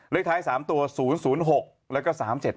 เลขท้าย๓ตัว๐๐๖แล้วก็๓๗๘